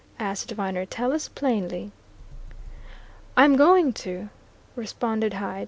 asked Viner. "Tell us plainly." "I'm going to," responded Hyde.